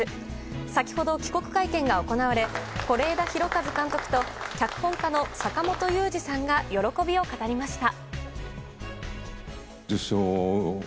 先ほど帰国会見が行われ是枝裕和監督と脚本家の坂元裕二さんが喜びを語りました。